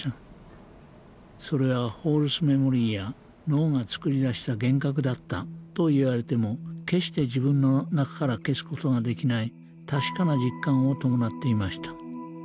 それはフォールスメモリーや脳が作り出した幻覚だったといわれても決して自分の中から消す事ができない確かな実感を伴っていました。